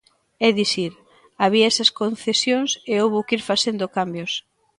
É dicir, había esas concesións e houbo que ir facendo cambios.